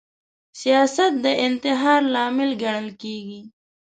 سیاست د انتحار لامل ګڼل کیږي